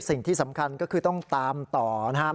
สิ่งที่สำคัญก็คือต้องตามต่อนะครับ